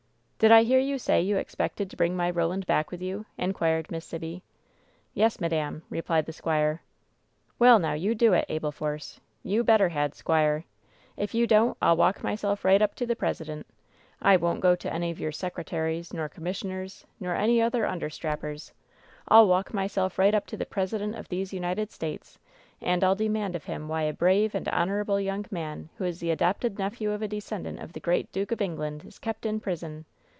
"Did I hear you say you expected to bring my Ro land back with you ?" inquired Miss Sibby. "Yes, madam," replied the squire. "Well, now, you do it, Abel Force ! You better had, squire ! If you don't I'll walk myself right up to the President ! I won't go to any of your secretaries, nor commissioners, nor any other understrappers ! I'll walk myself right up to the President of these United States, and I'll demand of him why a brave and honorable young man who is the adopted nephew of a descendant of the great duke of England is kept in prison